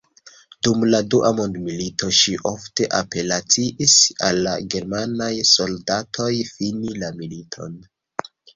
Dum la Dua Mondmilito ŝi ofte apelaciis al la germanaj soldatoj fini la militon.